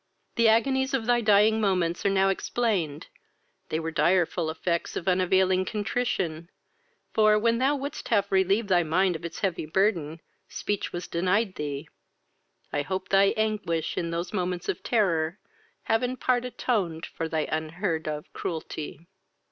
The agonies of thy dying moments are now explained: they were the direful effects of unavailing contrition; for, when thou wouldst have relieved thy mind of its heavy burthen, speech was denied thee: I hope thy anguish, in those moments of terror, have in part atoned for they unheard of cruelty.